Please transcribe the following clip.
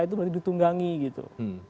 itu ditunggangi gitu